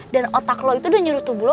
dan otak lo itu udah nyuruh tubuh lo